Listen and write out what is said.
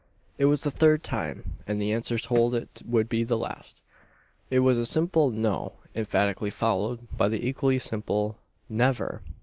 It was the third time; and the answer told it would be the last. It was a simple "No," emphatically followed by the equally simple "Never!"